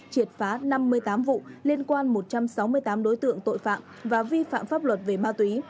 triệt phá năm mươi tám vụ liên quan một trăm sáu mươi tám đối tượng tội phạm và vi phạm pháp luật về ma túy